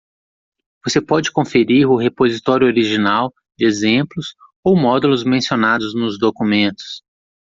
Você pode conferir o repositório original de exemplos ou módulos mencionados nos documentos.